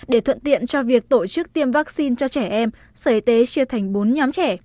để thuận tiện cho việc tổ chức tiêm vaccine cho trẻ em sở y tế chia thành bốn nhóm trẻ